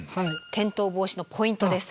転倒防止のポイントです。